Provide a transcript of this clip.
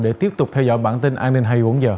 để tiếp tục theo dõi bản tin an ninh hai mươi bốn h